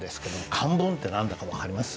漢文って何だか分かります？